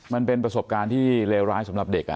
มันเป็นประสบการณ์ที่เลวร้ายสำหรับเด็ก